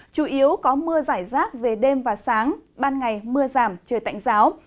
chủ yếu có mưa giải rác về đêm và sáng ban ngày mưa giảm trời tạnh giáo